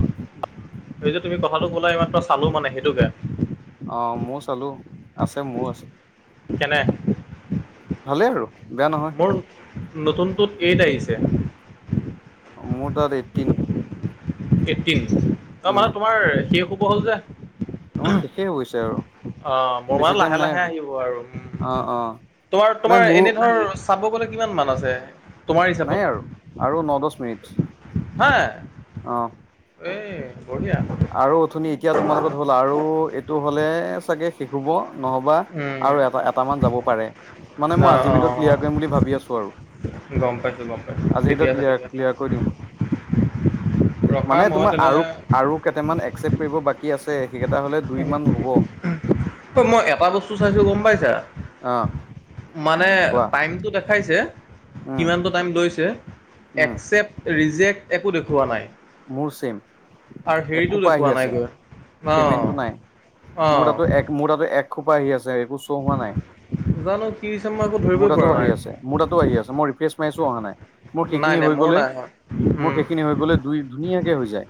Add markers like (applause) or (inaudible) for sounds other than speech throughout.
(inaudible) এই যে তুমি কথাটো ক'লা ইমান চালো মানে সেইটোকে। অ' মো চালো আছে, মোৰও আছে। কেনে ভালেই আৰু বেয়া নহয়। নতুনতটোত এইট আহিছে। অ' মোৰ তাত এইটটিন। এটিন ত উম মানে তোমাৰ শেষ হ'ব হ'ল যে। অ' শেষে হৈছে আৰু। অ' মোৰ বেছি মানে টাইম লাহে নাই লাহে আৰু আহিব আৰু উম। অ অ তোমাৰ নাই তোমাৰ মোৰ এনে ধৰ চাব গ'লে কিমান মান আছে তোমাৰ নাই হিচাপত। আৰু আৰু ন দছ মিনিট। হয়নাই। অ' এই বঢ়িয়া। আৰু অথনি এতিয়া তোমাল লগত হ'ল আৰু এইটো হ'লে চাগে শেষ হ'ব। নহবা উম, আৰু এটা এট মান যাব পাৰে। মানে মই অঁ অঁ আজিৰ ভিতৰত অঁ ক্লিয়াৰ কৰিম বুলি ভাবি আছো আৰু। গম পাইছোঁ গম পাইছোঁ আজি ঠিকে এইটো আছে ক্লিয়াৰ ঠিকে আছে ক্লিয়াৰ কৰি দিম। ৰখা মানে মই তোমাৰ তেনে আৰু আৰু কেইটামান একচেপ্ট কৰিব বাকী আছে। সেইকেইটা হ'লে দুই মান হ'ব ত মই এটা বস্তু চাইছো গ'ম পাইছা। অ মানে কোৱা টাইমটো দেখা খাইছে উম কিমানটো টাইম লৈছে উম একচেপ্ট ৰিজেক্ট একো দেখুওৱা নাই। মোৰ চেম আৰু হেৰিটো একোপা আহি দেখুওৱা নাই আছে। গৈ অ পেমেন্টো নাই অ মোৰ তাতো মোৰ তাতো একোপা আহি আ চৰ হোৱা নাই, জানো কি হৈছে মই একো মোৰ ধৰিবই তাতো পৰা আহি নাই আছে। মোৰ তাতো আহি আছে, মই ৰিফেচ্ মাৰিছো অহা নাই, মোৰ নাই সেইখিনি নাই হৈ মোৰো গ'লে নাই হোৱা মোৰ উম সেইখিনি হৈ গ'লে। দুই ধুনীয়াকে হৈ যায়।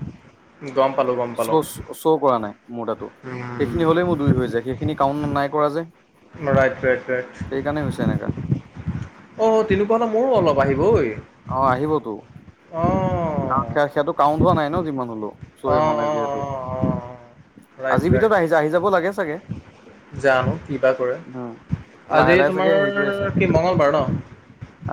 গ'ম পালোঁ, গ'ম পালোঁ। শ্ব' শ্ব' কৰা নাই মোৰ তাতো উম সেইখিনি হ'লেই মোৰ দুই হৈ যায়, সেইখিনি কাউণ নাই কৰা যে। Right, right, right. সেইকাৰণে হৈছে এনেকুৱা। অ' তেনেকুৱা হ'লে মোৰয়ো অলপ আহিব ঐ। অ' আহিবতো। অ' কাৰণ সেয়া-সেয়াটো কাউণ্ট হোৱা নাই ন, যিমান হ'লেও, শ্বয়ে অ অ হোৱা অ নাই যিহেতু। অ ৰাইট আজিৰ ৰাইট ভিতৰত আহি যা আহি যাব লাগে চাগে। জানো কি বা কৰে, উম লাহে আজি লাহে চাগে তোমাৰ হেৰি কৰি আছে কি মঙ্গলবাৰ ন'?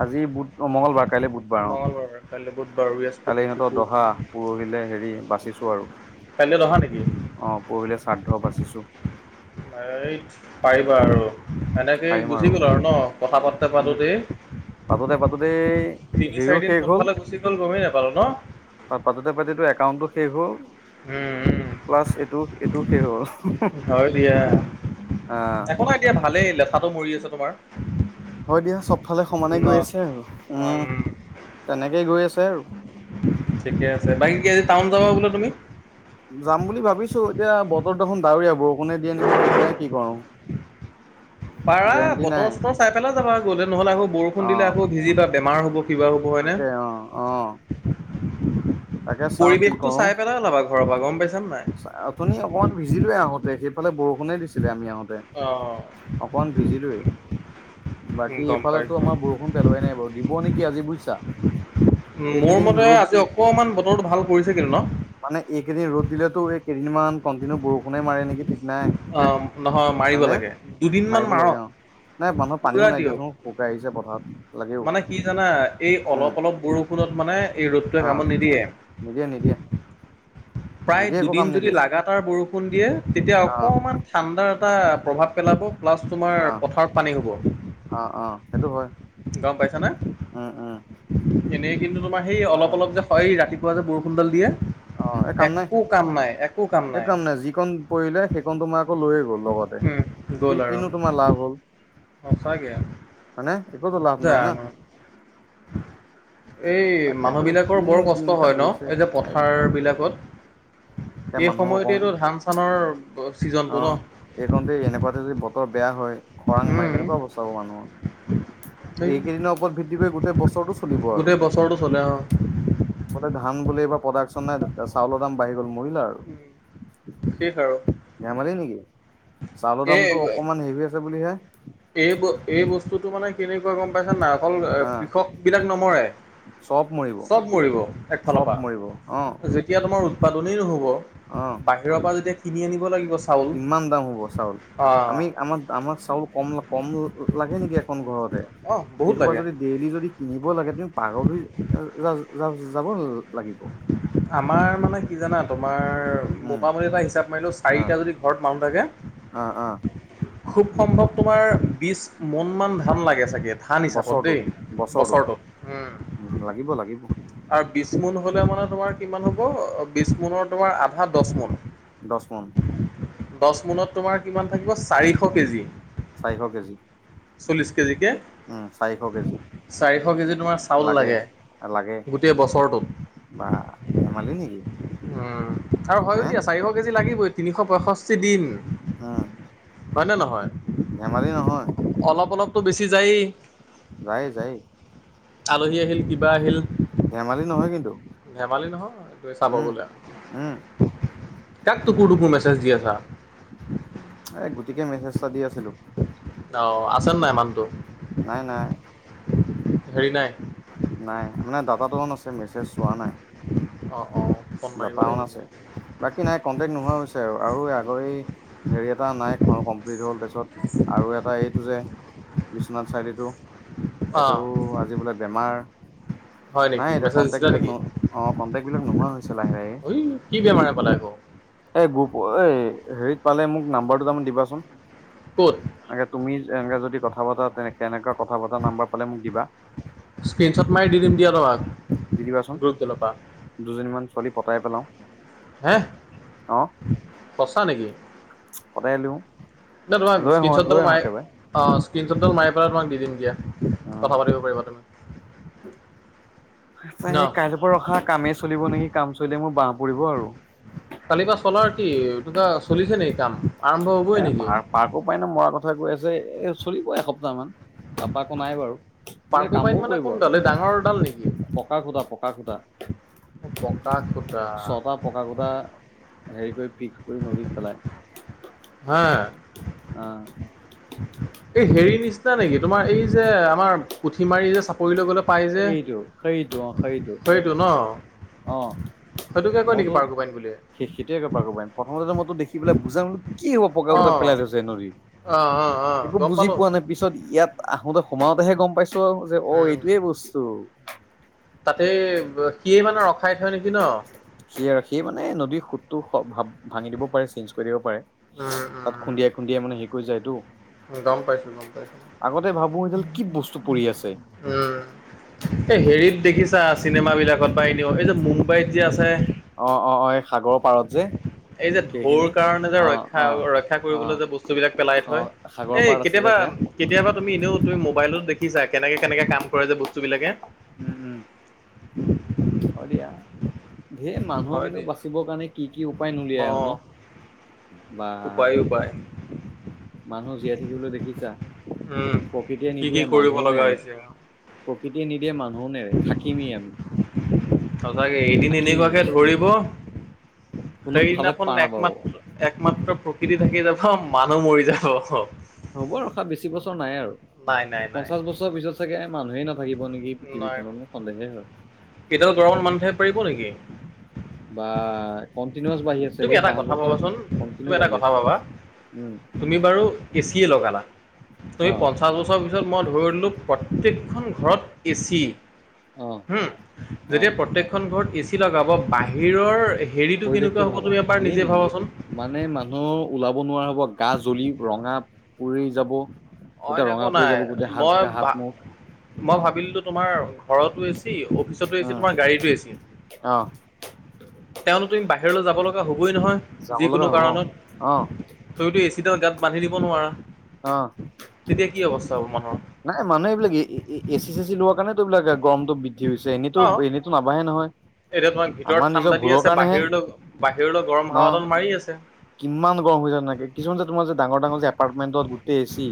আজি বুধ অ', মঙলবাৰ, কালিলে বুধ মঙলবাৰ কাইলৈ বুধবাৰ, ৱেডছ কাইলৈ সিহঁতৰ দহা, পৰহিলে হেৰি, বাচিছো আৰু। কাইলৈ দহা নেকি? অ', পৰহিলে শ্ৰাদ্ধ বাচিছো। এই পাৰিবা আৰু, এনেকেই গুচি গ'ল আৰু ন', কথা পাতোতে উম পাতোতেই। পাতোতে পাতোতেই তিনি হেৰিও চাৰিদিন শেষ হ'ল কোনফালে গুচি গ'ল গমেই নাপালো ন'? পাতোতে পাতোতে একাউণ্টটো শেষ হ'ল। উম প্লাছ এইটো এইটোও শেষ হ'ব। উম হয় অ'। এতিয়া ভালেই, লেঠাটো মৰি আছে তোমাৰ। হয় দিয়া, চবফালে সমানে ন গৈ আছে আৰু উম, তেনেকেই গৈ আছে আৰু। ঠিকেই আছে, বাকী কি আজি টাউন যাবা বোলে তুমি। যাম বুলি ভাবিছো, এতিয়া বতৰ দেখোন ডাৱৰীয়া, বৰষুণে দিয়ে নেকি ঠিক নাই কি কৰো। (inaudible) পাৰা, গেৰেণ্টি বতৰ নাই চতৰ চাই পেলাই যাবা, গ'লে নহ'লে আকৌ বৰষুণ অ দিলে আকৌ ভিজিবা বেমাৰ হ'ব। কিবা হ'ব হয়নে তাকে অ', অ'। তাকে চাও কি পৰিৱেশটো কৰো চাই পেলাই ওলাবা ঘৰৰ পৰা, গম পাইছা নাই। অথনি অকনমান ভিজিলোৱেই আহোঁতে, সেইফালে বৰষুণে দিছিলে আমি আহোঁতে। অ অকমান ভিজিলোৱে, উম, বাকী গম এইফালেতো পাইছোঁ। আমাৰ বৰষুণ পেলোৱাই নাই বাৰু, দিব নেকি আজি বুজিছা। উম, মোৰ এইকেইদিন মতে ৰ'দ আজি অকমান বতৰটো ভাল কৰিছে কিন্তু ন'। মানে এইকেইদিন ৰ'দ দিলেতো, এই কেইদিনমান কণ্টিনিউ বৰষুণে মাৰে নেকি ঠিক নাই অ', নহয় মাৰিব হয়নে, লাগে। দুদিনমান মাৰিব লাগে মাৰক, অ', নাই মানুহৰ পানীও পুৰা নাই দিয়ক। দিয়াচোন। শুকাই আহিছে পথাৰত। লাগেও মানে কি জানা, এই উম অলপ অলপ বৰষুণত মানে এই ৰ'দটোৱে অ কামত নিদিয়ে। নিদিয়ে নিদিয়ে। প্ৰায় নিদিয়ে একো কাম দুদিন যদি নিদিয়ে লাগাতাৰ বৰষুণ দিয়ে, তেতিয়া অ অকণমান ঠাণ্ডাৰ এটা প্ৰভাৱ পেলাব। প্লাছ অ তোমাৰ পথাৰত পানী হ'ব। অ', অ', সেইটো হয়। গম পাইছা নে, উম উম এনেই কিন্তু তোমাৰ সেই অলপ অলপ যে হয় ৰাতিপুৱা যে বৰষুণডাল দিয়ে অ', এ কাম নাই, একো কাম নাই যিকণ পৰিলে, সেইকন তোমাৰ আকৌ লৈয়ে গ'ল লগতে, উম, গ'ল আৰু কি-কিনো তোমাৰ লাভ হ'ল (unintelligible) হয়নে, একোতো লাভ নাই না। জানো। এই তাকেতো মানুহবিলাকৰ কিনো বৰ কষ্ট দিনকাল হয় হৈছে ন', এই যে পথাৰ বাপৰে বিলাকত এতিয়া এই মানুহো কম সময়তেটো ধান চানৰ অ চিজনটো ন'। এইকণতে এনেকুৱাতে যদি বতৰ বেয়া হয়, খৰাং মাৰে উম কেনেকুৱা অৱস্থা হ'ব সেই মানুহৰ। এইকেইদিনৰ ওপৰত ভিত্তি কৰি গোটেই বছৰটো চলিব আৰু। গোটেই বছৰটো চলে অ বোলে ধান বোলে এইবাৰ প্ৰডাকশ্যন নাই, চাউলৰ দাম বাঢ়ি গ'ল, মৰিলা আৰু। শেষ আৰু। ধেমালি নেকি, চাউলৰ এই দামটো অকমান হেভি আছে বুলিহে। এই ব-এই বস্তুটো মানে কেনেকুৱা গম পাইছা নাই, অকল আহ কৃষক বিলাক নমৰে, চব মৰিব চব মৰিব। একফালৰ চব মৰিব অ পৰা, যেতিয়া তোমাৰ উৎপাদনেই নহ'ব অ'। বাহিৰৰ পৰা যেতিয়া কিনি আনিব লাগিব চাউল কিমান দাম হ'ব চাউল অ আমি আমাৰ আমাক চাউল কম কম লাগে নেকি। এখন ঘৰতে অ বহুত সেইসোপা লাগে যদি ডেইলি যদি কিনিব লাগে তুমি পাগল হৈ যা যা যাব লাগিব। আমাৰ মানে কি জানা তোমাৰ উম মোটামুটি এটা হিচাপ মাৰিলোঁ অ চাৰিটা যদি ঘৰত মানুহ থাকে অ অ খুব সম্ভৱ তোমাৰ বিছ মন মান ধান লাগে চাগে। ধান হিচাপত দেই, বছৰটোত। লাগিব লাগিব। আৰু বিছ মোন হলে মানে তোমাৰ কিমান হব বিছ মোনৰ তোমাৰ আধা দছ মোন। দছ মুন। দছ মুনত তোমাৰ কিমান থাকিব চাৰিশ কেজি। চাৰিশ কেজি। চল্লিছ কেজি কে। উম চাৰিশ কেজি চাৰিশ কেজি তোমাৰ চাউল লাগে লাগে গোটেই বছৰটোত। বা ধেমালি নেকি। উম, আৰু হয়ো হে দিয়া চাৰিশ কেজি লাগিবই তিনিশ পয়ষষ্ঠি দিন। উম। হয়নে নহয়? ধেমালি নহয়। অলপ অলপতো বেছি যায়েই। যায় যায়। আলহী আহিল কিবা আহিল। ধেমালি নহয় কিন্তু। ধেমালি নহয় এইটো চাব উম গলে, উম কাক টুকুৰ টুকুৰ মেছেজ দি আছা? এই গোট গুতিকে মেছেজটা দি আছিলো, অঁ আছেনে নাই মানুহটো নাই নাই। হেৰি নাই? নাই মানে দাটাটো অন আছে, মেছেজ চোৱা নাই। অ', অ' দাটা অন আছে। বাকী নাই কনটেকট নোহোৱা হৈছে আৰু আগৰ এ হেৰি এটা নাই কমপ্লিট হ'ল তাৰপিছত আৰু এটা এইটো যে বিশ্বনাথ চাৰিআলিতো এইটো অঁ আজি বোলে বেমাৰ? হয় নেকি নাই এতিয়া মেছেজ দিছিলা কন্টেক্ট বিলাক নেকি অ' কণ্টেক্ট বিলাক নোহোৱা হৈছে লাহে লাহে। ঐ কি বেমাৰে পালে আকৌ? এ, গোপ এই হেৰিত পালে মোক নাম্বাৰ দুটা মান দিবাচোন। ক'ত? আগে তুমি এনেকে যদি কথা পতা তে কেনেকা কথা পতা নাম্বাৰ পালে মোক দিবা। স্ক্ৰীনশ্বট মাৰি দি দিম দিয়া তোমাক, দি দিবাচোন। গ্ৰুপ ডালৰ পৰা। দুজনীমান ছোৱালী পতাই পেলাও। হে, সঁচা নেকি? পটাই লওঁ। নাই তোমাক স্ক্ৰীণশ্বটডাল মাৰি অ' স্ক্ৰীণশ্বটডাল মাৰি পেলাই তোমাক দি দিম দিয়া। কথা অ' পাতিব পাৰিবা তুমি ন আছে কাইলৈ ৰখা কামে চলিব নেকি, কাম চলিলে মোৰ বাহ পৰিব আৰু। কালি বা চলাৰ কি তুবা চলিছে নে কাম? আৰম্ভ হ'বই এ, নেকি পাৰ পাৰ্কো পায়ন মৰা কথা কৈ আছে এ, চলিব এসপ্তাহ মান। তাৰপৰা একো নাই বাৰু এ, পাৰ্কোপাইন কামোৰ মানে পৰিব কোনডাল এই আৰু। পকা খুটা, পকা খুটা। পকা। ছটা পকা খুটা হেৰি কৰি ফিক্স কৰি নদীত পেলায়। হা অ। এই হেৰি নিচিনা নেকি? তোমাৰ এই যে আমাৰ পুঠিমাৰি যে চাপৰি লৈ গ'লে পাই সেইটো সেইটো অ সেইটো। অ সেইটোকে কৈ অ নেকি পৰ্কুপাইন বুলি? সে সেইটোকে কয় পাৰকুপাইণ, প্ৰথমতেতো মই দেখি পেলাই বুজাং কি হ'ব পকা খুটা অ', পেলায় থৈছে নদীত, অ', অ', অ', একো গম বুজি পালো পোৱা নাই পিছত ইয়াত আহোঁতে সোমাওঁতেহে গম পাইছোঁ আৰু যে, অ এইটোহে বস্তু। তাতেই সিয়েমানে ৰখাই থয় নেকি ন? সিয়ে মানে নদীৰ সোতটো ভাঙি দিব পাৰে, চেঞ্জ কৰি দিব পাৰে। উম উম খুন্দিয়াই খুন্দিয়াই মানে হেৰি কৰি যায়টো। গম পাইছো গম পাইছো আগতে ভাবো এইডাল কি বস্ত পৰি আছে। উম। এই হেৰিত দেখিছা চিনেমা বিলাকত বা এনেও, এই যে মুম্বাইত যে আছে। অ অ অ এই সাগৰৰ পাৰত যে। এই যে ঢৌৰ সেইখিনি কাৰণে যে অ ৰক্ষা অ ৰক্ষা অ কৰিবলৈ যে বস্তু বিলাক পেলাই অ থয়, সাগৰ এই পাৰত আছে যে কেতিয়াবা সেয়া কেতিয়াবা তুমি এনেও তুমি মোবাইলত দেখিছা, কেনেকে কেনেকে কাম কৰে যে বস্তু বিলাকে। উম উম। হয় দিয়া, ধেৰ মানুহ হয় কিন্তু দিয়া। বাচিবৰ কাৰণে কি কি উপায় নোলিয়াই আৰু অঁ। ন? বা উপায় উপায়। মানুহ জীয়াই থাকিবলৈ দেখিছা। উম, প্ৰকৃতিয়ে কি কি নিদিয়ে কৰিব মানুহো লগা নেৰে, হৈছে। প্ৰকৃতিয়ে নিদিয়ে মানুহো নেৰে, থাকিমেই আমি। সঁচাকে এদিন থাকিমেই এনেকুৱাকে ধৰিব কোনো ফালে পাৰ সেইদিনাখন নাপাব একমাত্ৰ একমাত্ৰ প্ৰকৃতি থাকি যাব মানুহ মৰি যাব। হ'ব ৰখা বেছি বছৰ নাই আৰু নাই নাই নাই পঞ্চাশ বছৰ পিছত চাগে মানুহেই নাথাকিব নেকি নাই। পৃথিৱীখনত মোৰ সন্দেহে হয়। এইডাল গৰমত মানুহ থাকিব পাৰিব নেকি? বা কণ্টিনুৱাছ বাঢ়ি আছে, তুমি এই এটা পাঁচ কথা বছৰত ভাবাচোন, তুমি কণ্টিনিউ এটা বাঢ়ি কথা আছে। ভাবা তুমি বাৰু এচিয়ে লগালা, তুমি অ পঞ্চাছ বছৰ পিছত মই ধৰি ললোঁ প্ৰত্যেক প্ৰত্যেক খন ঘৰত এ চি অ হুম। অ যেতিয়া প্ৰত্যেক খন ঘৰত এ চি লগাব, বাহিৰৰ হেৰিতো কেনেকুৱা পৰিৱেশটো হ'ব ভাবা তুমি এবাৰ এই নিজে ভাবাচোন মানে মানুহ ওলাব নোৱাৰা হ'ব, গা জ্বলি ৰঙা পৰি যাব। অইন গোটেই একো ৰঙা নাই, গোটেই হাত মই হাত ভা মুখ মই ভাবি ললো তোমাৰ ঘৰতো এ চি অফিচতো এ চি উম তোমাৰ গাড়ীতো এ চি। অ। তেওতো তুমি বাহিৰলৈ যাব লগা হ'বই নহয় যাব লগা যিকোনো হ'ব অ কাৰণত। তইতো এচিডাল গাত বান্ধি দিব নোৱাৰা। অ। তেতিয়া কি অৱস্থা হ'ব মানুহৰ? নাই মানুহে এইবিলাক এ চি চে চি লোৱা কাৰণে তো এইবিলাক গৰমতো বি বৃদ্ধি হৈছে। এনেতো অ এনেতো নাবাঢ়ে নহয়। এতিয়া তোমাক আমাৰ ভিতৰত নিজৰ ঠাণ্ডা দি ভুলৰ আছে, কাৰণেহে বাহিৰলৈ বাহিৰলৈ গৰম ন হাৱাডল মাৰি আছে। কিমান গৰম হৈছে জানা, কিছুমান যে তোমাৰ যে ডাঙৰ ডাঙৰ এপাৰ্টমেণ্টত গোটেই এ চি।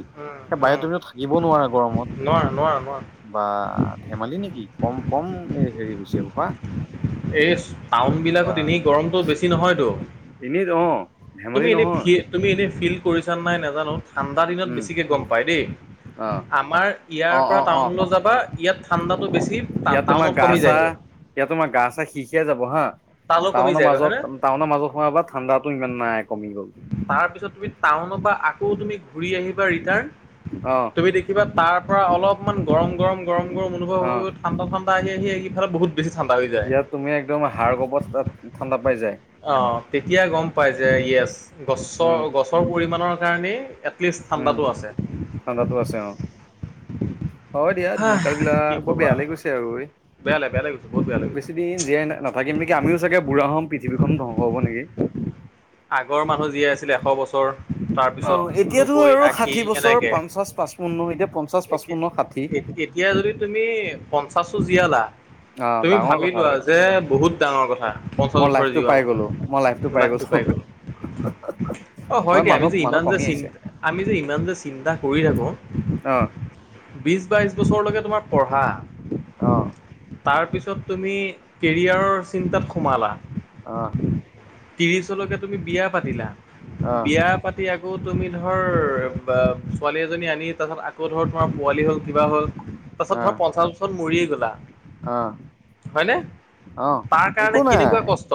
সেই উম বাহিৰত তুমিতো উম। থাকিব নোৱাৰে গৰমত। নোৱাৰা নোৱাৰা নোৱাৰা। বা ধেমালি নেকি কম কম এ হেৰি হৈছে এই সোপা। ইচ টাউন বিলাকত এনেই গৰমতো বেছি নহয়তো। এনেইতো অ' তুমি ধেমালি এনেই নহয়। ফি তুমি এনেই ফিল কৰিছা নাই নাজানো ঠাণ্ডা দিনত উম বেছিকে গ'ম পাই দেই। অ আমাৰ ইয়াৰ অ পৰা অ অ টাউনলৈ যাবা ইয়াত ঠাণ্ডাতটো বেছি ইয়াত তোমাৰ টাউনত গা কমি চা যায়গৈ। ইয়াত তোমাৰ গা চা সি সিয়াই যাব হা। তালৈ কমি টাউনৰ যায়গৈ হয়নে মাজত টাউনৰ মাজত সোমাবা বা ঠাণ্ডাতো ইমান নাই কমি গ'ল। তাৰ পিছত তুমি টাউন পৰা আকৌ তুমি ঘূৰি আহিবা ৰিটাৰ্ণ অ তুমি দেখি কিবা তাৰ পৰা অলপমান গৰম গৰম গৰম গৰম অনুভৱ অ হয় ঠাণ্ডা ঠাণ্ডা আহি আহি এইফালে বহুত বেছি ঠাণ্ডা হৈ যায়। ইয়াত তুমি একদম হাড় কবত ঠাণ্ডা পাই যায়। অ' তেতিয়া গ'ম পাই যে য়েছ গছৰ উম গছৰ পৰিমণৰ কাৰণেই প্লেছ উম ঠাণ্ডাতো আছে। ঠাণ্ডাতো আছে অ' হয়, দিয়া হা দিনকাল কি বিলাক বৰ বেয়া ক'বা লৈ গৈছে আৰু ঐ বেয়া লাগে বেয়া লাগিছে বহুত বেয়া লাগিছে। বেছি। আমি জীয়াই নাথাকিম নেকি আমিও বুঢ়া হ'ম পৃথিবীখনো ধ্বংস হব নেকি? আগৰ মানুহ জীয়াই আছিল এশ বছৰ। তাৰপিছত অ' এতিয়াতো নব্বৈ, আৰু আশী ষাঠি বছৰ এনেকে। পঞ্চাশ, পাচপন্ন এতিয়া। পঞ্চাশ এতিয়া, পঁচপন্ন ষাঠি। এতিয়া যদি তুমি পঞ্চাছো জীয়ালা অ' তুমি ডাঙৰ কথা ভাবিলোৱা আৰু যে বহুত ডাঙৰ কথা। পঞ্চাছ মই বছৰে লাইফটো জীওৱা পাই গ'লো মই মানুহে লাইফটো গ'লো। পাই গয়। অ' হয় দিয়া আমি মানুহক যে মানুহ ইমান যে কমি আহিছে। আমি যে ইমান যে চিন্তা কৰি থাকো। অ' বিশ, বাইশ বছৰলৈকে তোমাৰ পঢ়া। অ' তাৰ পিছত তুমি কেৰিয়াৰৰ চিন্তাত সোমালা। অ' ত্ৰিশলৈকে তুমি বিয়া পাতিলা, অ' বিয়া পাতি আকৌ তুমি ধৰ ছোৱালী এজনী আনি তাৰপাছত আকৌ ধৰ তোমাৰ পোৱালি হ'ল। কিবা হ'ল, তাৰ পাছত ধৰা পঞ্চাশ বছৰ মৰিয়ে গ'লা। আহ, হয়নে অহ' তাৰ একো কাৰণে নাই। কেনেকুৱা কষ্ট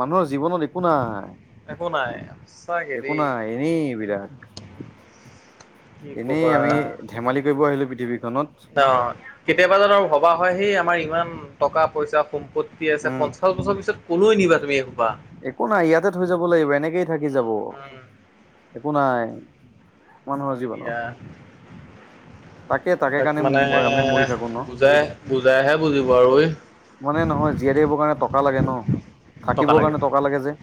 মানুহৰ জীৱনত একো নাই। একো নাই। সঁচাকে একো দেই নাই, এনেই বিৰাট কি এনেই ক'বা আমি। ধেমালি কৰিব আহিলো পৃথিৱীখনত। অ' কেতিয়াবা জানো ভবা হয়, সেই আমাৰ ইমান টকা পইচা। সম্পত্তি আছে, উম। পঞ্চাশ বছৰ পিছত কলৈ নিবা তুমি এইখোপা। একো নাই ইয়াতে থৈ যাব লাগিব। এনেকেই থাকি যাব উম উম একো নাই। মানুহৰ হয় জীৱনত। দিয়া। তাকে তাকে তাক কাৰণে মানে আমি মৰি থাকো ন বুজাই বুজাইহে বুজিব আৰু ঐ। মানে নহয় জীয়াই থাকিবৰ কাৰণে টকা লাগে ন টকা থাকিবৰ লাগে। কাৰণে টকা লাগে যে।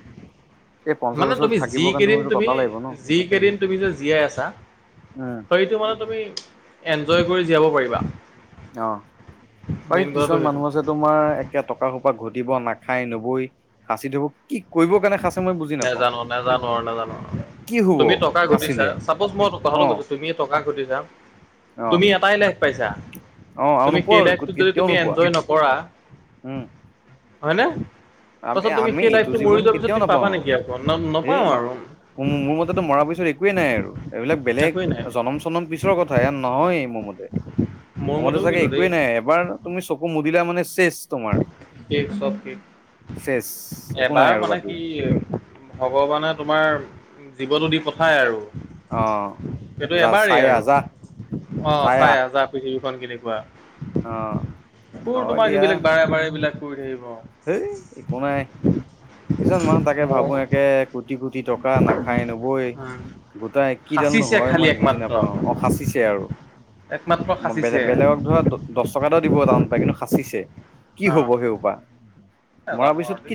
এই পঞ্চাশ মানে বছৰ তুমি যি থাকিবৰ কাৰণে কেইদিন তুমিতো তুমি টকা লাগিব ন যি কেইদিন তুমি যে জীয়াই আছা। উম হেইটো মানে তুমি এনঞ্জয় কৰি জীয়াব পাৰিবা। অ' পাৰি মেইন কথাটো কিছুমান সেইটো। মানুহ আছে। তোমাৰ একে টকা সোপা ঘটিব নাখাই নবৈ সাঁচি থ'ব। কি কৰিব কাৰণে সাঁচে মই বুজি নাপাওঁ নাজানো, নাজানো, নাজানো। কি হব তুমি টকা ঘটিছা, সাঁচিলে চাপজ মই কথাটো অ কৈছো, তুমি টকা ঘটিছা অ তুমি এটাই লাইফ পাইছা, অ আৰু তুমি নোপোৱা সেই আৰু লাইফটোত কেতিয়াও যদি নোপোৱা এনঞ্জয় নকৰা। উম হয়নে, আমি পাছত তুমি আমি সেই এইটো লাইফটো জীৱন মৰিলে। কেতিয়াও যদি নাপাওঁ পাবা আৰু নেকি, আকৌ ন এই নাপাও মা আৰু মোৰ মতে মৰাৰ পিছত একোৱে নাই আৰু, এইবিলাক বেলেগ একোৱেই নাই জনম চনম পিছৰ কথা নহয় মোৰ মতে (inaudible) মোৰ মতে মতেও চাগে কিন্তু একোৱেই দেই নাই এবাৰ তুমি চকু মুদিলা মানে, চেষ তোমাৰ সেক চব ঠিক চেচ (inaudible) একো নাই এবাৰ আৰু মানে বাকী কি ভগৱানে তোমাৰ জীৱনটো দি পঠায় আৰু অ এইটো যা এবাৰেই চাই আহ আৰু, যা অ', চাই আহ যা পৃথিৱীখন কেনেকুৱা অ তোৰ হয় তোমাক দিয়া এইবিলাক বাৰে বাৰে এইবিলাক কৰি থাকিব হেই একো নাই (inaudible) কিছুমান মানুহ তাকে ভাবো মোৰ একে কোটি কোটি টকা নাখায় নবই উম গোটাই কিডালনো সাঁচিছে হয় খালি মই বুজি একমাত্ৰ নাপাওঁ অ সাঁচিছে আৰু, একমাত্ৰ বেলে সাঁচিছে বেলেগক ধৰা দহ টকাটা দিব টান পাই, কিন্তু সাঁচিছে কি হব সেইপ এ নামি